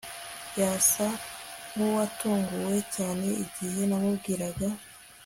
Yasa nkuwatunguwe cyane igihe namubwiraga